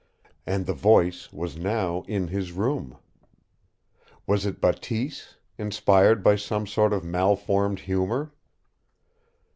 And the voice was now in his room! Was it Bateese, inspired by some sort of malformed humor?